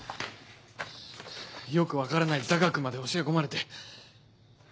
よく分からない座学まで教え込まれて。